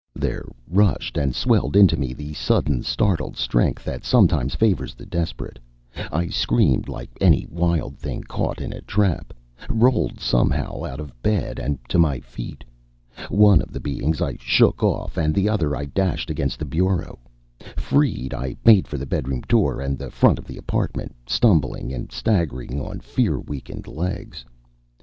There rushed and swelled into me the sudden startled strength that sometimes favors the desperate. I screamed like any wild thing caught in a trap, rolled somehow out of bed and to my feet. One of the beings I shook off and the other I dashed against the bureau. Freed, I made for the bedroom door and the front of the apartment, stumbling and staggering on fear weakened legs.